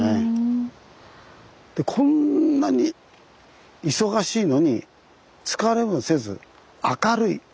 こんなに忙しいのに疲れもせず明るい。